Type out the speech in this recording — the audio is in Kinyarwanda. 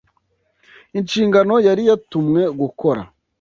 inshingano yari yatumwe gukora